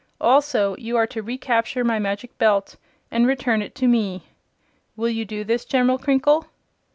Also you are to recapture my Magic Belt and return it to me. Will you do this, General Crinkle?"